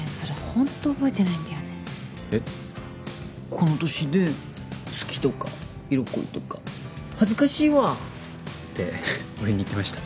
この年で好きとか色恋とか恥ずかしいわ！って俺に言ってました。